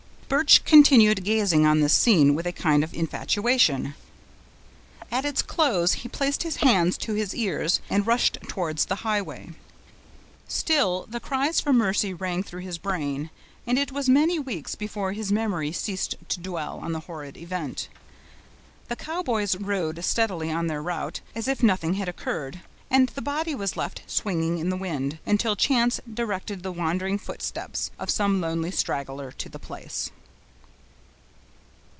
Birch continued gazing on this scene with a kind of infatuation. At its close he placed his hands to his ears, and rushed towards the highway. Still the cries for mercy rang through his brain, and it was many weeks before his memory ceased to dwell on the horrid event. The Cowboys rode steadily on their route, as if nothing had occurred; and the body was left swinging in the wind, until chance directed the wandering footsteps of some lonely straggler to the place.